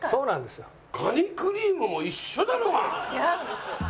違うんです。